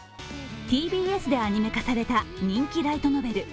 ＴＢＳでアニメ化された人気ライトノベル